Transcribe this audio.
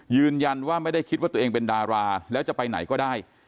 ยืนยันว่าไม่ได้คิดว่าตัวเองเป็นดาราแล้วจะไปไหนก็ได้